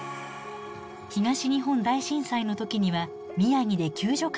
東日本大震災の時には宮城で救助活動に従事。